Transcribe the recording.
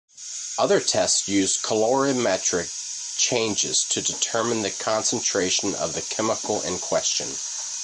Other tests use colorimetric changes to determine the concentration of the chemical in question.